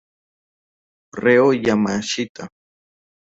Reo Yamashita